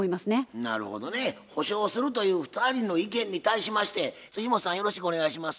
なるほどね補償するという２人の意見に対しまして本さんよろしくお願いします。